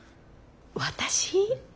私？